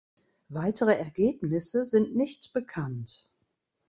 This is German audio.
Weitere Ergebnisse sind nicht bekannt.